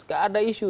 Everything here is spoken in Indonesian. nggak ada isu